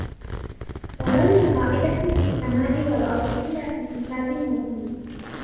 وَما مِن غائِبَةٍ فِي السَّماءِ وَالأَرضِ إِلّا في كِتابٍ مُبينٍ